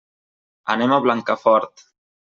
Anem a Blancafort.